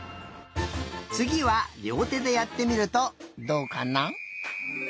つぎはりょうてでやってみるとどうかな？